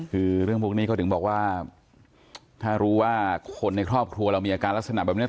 คือเรื่องพวกนี้เขาถึงบอกว่าถ้ารู้ว่าคนในครอบครัวเรามีอาการลักษณะแบบนี้